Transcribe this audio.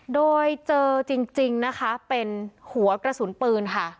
โดยเจอจริงนะคะเป็นหัวกระสุนปืนค่ะ